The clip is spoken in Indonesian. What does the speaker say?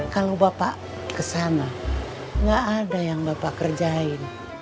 kalau bapak kesana nggak ada yang bapak kerjain